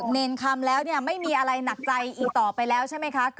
เนรคำแล้วไม่มีอะไรหนักใจอีกต่อไปแล้วใช่ไหมคะ